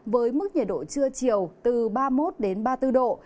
với mức nhiệt độ trưa chiều từ ba mươi một đến ba mươi bốn độ